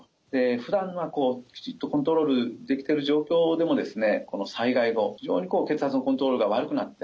ふだんはきちっとコントロールできてる状況でもですねこの災害後非常に血圧のコントロールが悪くなった。